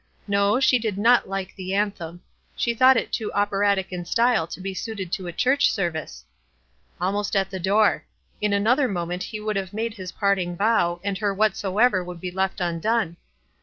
"No, she did not like the an them. She thought it too operatic in style to be suited to a church service." Almost at the door. In another moment he would have made his parting bow, and her " Whatsoever " would be left undone.